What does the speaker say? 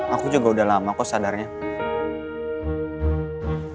aku juga udah lama kok sadarnya